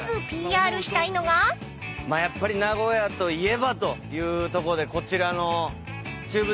まあやっぱり名古屋といえばというとこでこちらの。